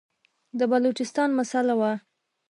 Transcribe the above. د بلوچستان مسله وه.